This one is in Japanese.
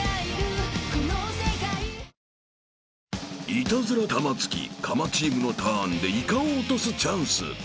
［イタズラ玉突きかまチームのターンでイカを落とすチャンス］